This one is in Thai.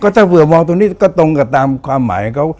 ถ้าเผื่อมองตรงนี้ก็ตรงกับตามความหมายเขา